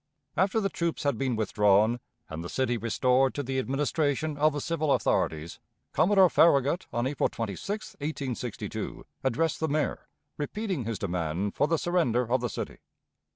After the troops had been withdrawn and the city restored to the administration of the civil authorities, Commodore Farragut, on April 26, 1862, addressed the Mayor, repeating his demand for the surrender of the city.